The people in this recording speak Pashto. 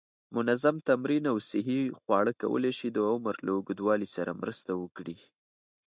منظم تمرین او صحی خواړه کولی شي د عمر له اوږدوالي سره مرسته وکړي.